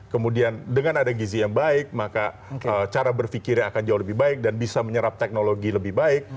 kemudian dengan ada gizi yang baik maka cara berpikirnya akan jauh lebih baik dan bisa menyerap teknologi lebih baik